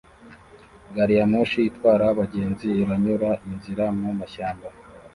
Gariyamoshi itwara abagenzi iranyura inzira mu mashyamba